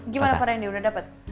gimana pak randy udah dapet